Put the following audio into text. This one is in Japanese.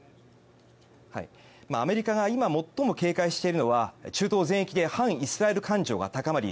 アメリカが今、最も警戒しているのは中東全域で反イスラエル感情が高まり